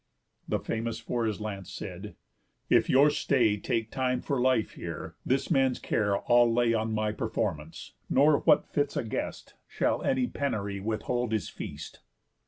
The famous for his lance said: "If your stay Take time for life here, this man's care I'll lay On my performance, nor what fits a guest Shall any penury withhold his feast."